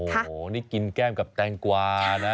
โอ้โหนี่กินแก้มกับแตงกวานะ